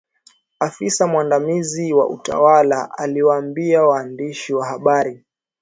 afisa mwandamizi wa utawala aliwaambia waandishi wa habari